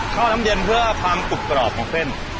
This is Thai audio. ข้าวน้ำเย็นเพื่อความกรุบกรอบของเส้น